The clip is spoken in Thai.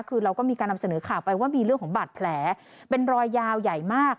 คือเราก็มีการนำเสนอข่าวไปว่ามีเรื่องของบาดแผลเป็นรอยยาวใหญ่มาก